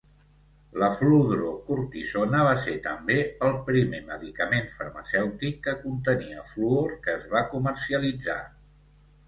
La Fludrocortisone va ser també el primer medicament farmacèutic que contenia fluor que es va comercialitzar.